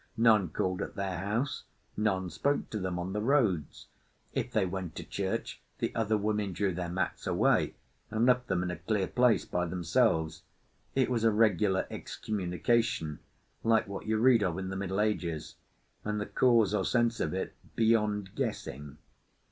None called at their house, none spoke to them on the roads. If they went to church, the other women drew their mats away and left them in a clear place by themselves. It was a regular excommunication, like what you read of in the Middle Ages; and the cause or sense of it beyond guessing.